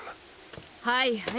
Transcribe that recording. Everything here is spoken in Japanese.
はいはい。